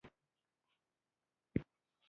د بوختو میندو لورگانې لټې او تنبلې وي.